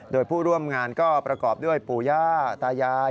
โดยผู้ร่วมงานก็ประกอบด้วยปู่ย่าตายาย